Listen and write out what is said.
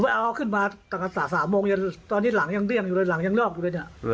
เขาขึ้นมาตั้งแต่๓โมงตอนนี้หลังยังเรี่ยงอยู่เลยหลังยังเลือกอยู่เลยนะ